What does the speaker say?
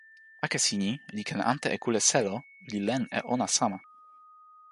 akesi ni li ken ante e kule selo li len e ona sama.